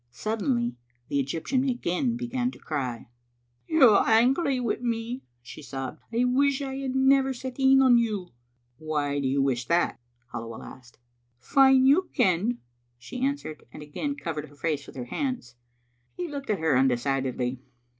Suddenly the Egyptian again began to cry. "You're angry wi' me," she sobbed. "I wish I had never set een on you." " Why do you wish that?" Halliwell asked. " Fine you ken," she answered, and again covered her face with her hands. He looked at her undecidedly.